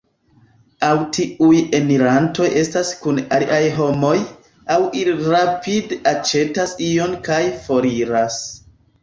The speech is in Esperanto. Aŭ tiuj enirantoj estas kun aliaj homoj, aŭ ili rapide aĉetas ion kaj foriras.